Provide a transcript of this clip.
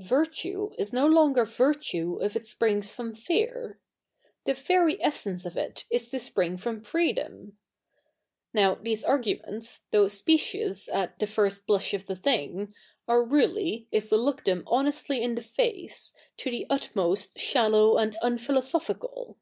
Vi?'tue is no longer virtue if it springs from fear. The very essence of it is to sp7'ing from freedotn. Now, these argujnents, though specious at the first blush of the thing, are really, if we look them honestly in the face, to the utmost shallow and unphilosophical.